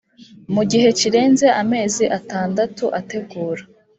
mu gihe kirenze amezi atandatu ategura